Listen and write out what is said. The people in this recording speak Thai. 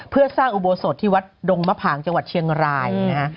เพื่อสร้างอุโบสถที่วัดดงมะผางจังหวัดเชียงรายนะฮะ